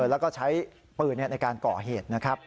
แล้วก็ใช้ปืนในการก่อเหตุนะครับ